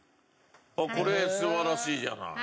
あっこれ素晴らしいじゃない。